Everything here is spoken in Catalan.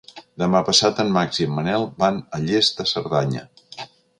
Demà passat en Max i en Manel van a Lles de Cerdanya.